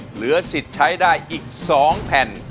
เหลือสิทธิ์ใช้ได้อีก๒แผ่น